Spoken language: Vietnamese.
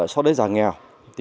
sau đấy giả nghèo